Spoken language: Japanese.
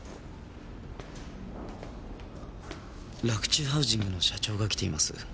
洛中ハウジングの社長が来ています。